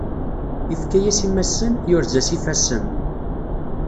Ifka-yas imassen, yurez-as ifassen.